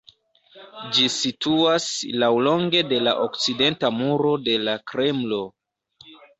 Ĝi situas laŭlonge de la okcidenta muro de la Kremlo.